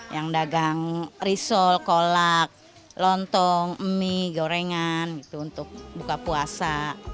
yang dagang risol kolak lontong mie gorengan untuk buka puasa